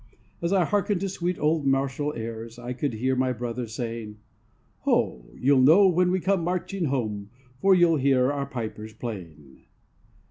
As I hearkened to sweet old martial airs I could hear my brother saying: "Ho! you'll know when we come marching home, For you'll hear our pipers playing."